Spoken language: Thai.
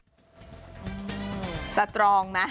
อืมสตรองนะ